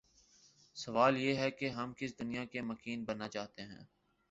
سوال یہ ہے کہ ہم کس دنیا کے مکین بننا چاہتے ہیں؟